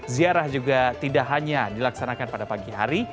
ziarah juga tidak hanya dilaksanakan pada pagi hari